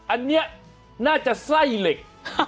อันนี้น่าจะไส้เหล็ก